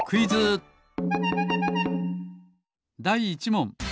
だい１もん。